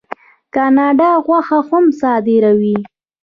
کاناډا غوښه هم صادروي.